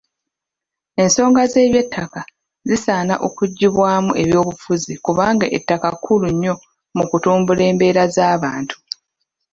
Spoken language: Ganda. Ensonga z'ebyettaka zisaana okuggyibwamu ebyobufuzi kubanga ettaka kkulu nnyo mu kutumbula embeera z'abantu.